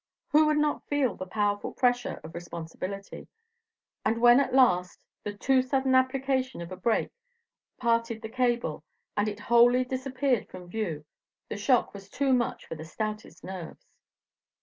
Who would not feel the powerful pressure of responsibility, and when at last the too sudden application of a break parted the cable, and it wholly disappeared from view, the shock was too much for the stoutest nerves.